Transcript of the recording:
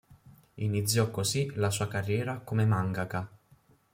Iniziò così la sua carriera come mangaka.